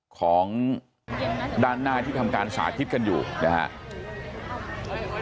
ของด้านหน้าที่ทำการสาธิตกันอยู่นะครับ